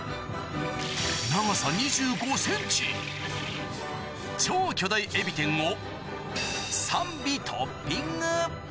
長さ２５センチ、超巨大エビ天を３尾トッピング。